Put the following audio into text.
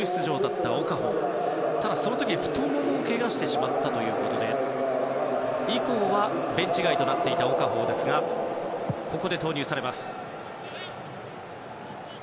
ただ、その時は太ももをけがしてしまったということで以降はベンチ外となっていたオカフォーですがここで投入されます。